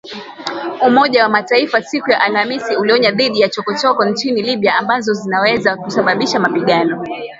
Umoja wa Mataifa siku ya Alhamis ulionya dhidi ya “chokochoko” nchini Libya ambazo zinaweza kusababisha mapigano.